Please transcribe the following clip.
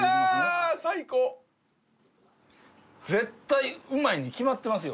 うわ最高絶対うまいに決まってますよ